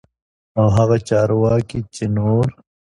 او هغه چارواکي چې نور